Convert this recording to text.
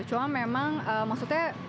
cuma memang maksudnya